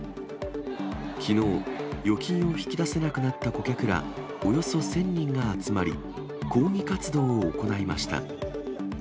きのう、預金を引き出せなくなった顧客らおよそ１０００人が集まり、抗議活動を行いました。